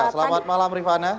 selamat malam rifana